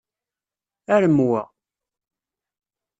Arem wa!